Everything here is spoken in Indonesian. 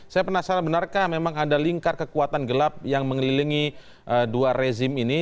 saya penasaran benarkah memang ada lingkar kekuatan gelap yang mengelilingi dua rezim ini